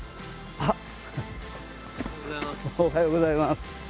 おはようございます。